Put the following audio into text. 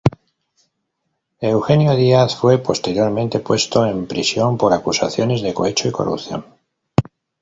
Eugenio Díaz fue posteriormente puesto en prisión por acusaciones de cohecho y corrupción.